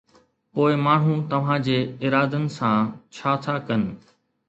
پوءِ ماڻهو توهان جي ارادن سان ڇا ٿا ڪن؟